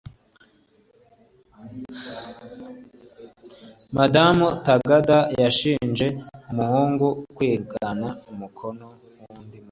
Madamu Takada yashinje umuhungu kwigana umukoro w'undi munyeshuri.